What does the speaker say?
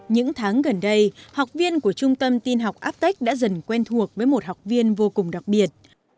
những tháng gần đây học viên của trung tâm tin học apec đã dần quen thuộc với một học viên vô cùng đặc biệt